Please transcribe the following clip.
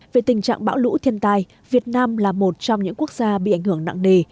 về tình trạng bão lũ thiên tai việt nam là một trong những quốc gia bị ảnh hưởng nặng nề